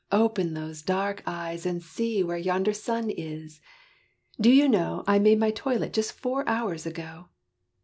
open those dark eyes, And see where yonder sun is! Do you know I made my toilet just four hours ago?"